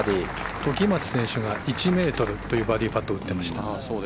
時松選手が１ｍというバーディーを打ってました。